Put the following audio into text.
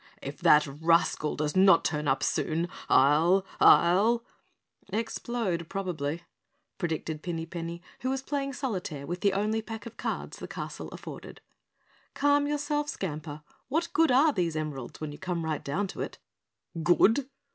"If that rascal does not turn up soon, I'll I'll " "Explode, probably," predicted Pinny Penny, who was playing solitaire with the only pack of cards the castle afforded. "Calm yourself, Skamper, what good are these emeralds when you come right down to it?" "Good?